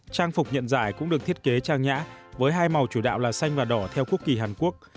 trang phục nhận giải cũng được thiết kế trang nhã với hai màu chủ đạo là xanh và đỏ theo quốc kỳ hàn quốc